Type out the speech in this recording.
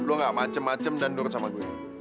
lu gak macem macem dandur sama gue